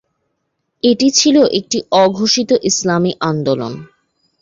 এটি ছিল একটি অঘোষিত ইসলামি আদালত।